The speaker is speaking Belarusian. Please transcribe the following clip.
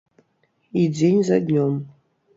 І дзень за днём.